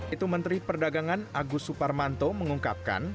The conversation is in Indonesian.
itu menteri perdagangan agus suparmanto mengungkapkan